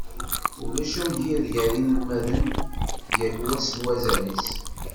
Ulac amgired gar yinelmaden, yal wa s wazal-is.